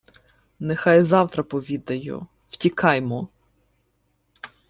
— Нехай завтра повідаю. Втікаймо.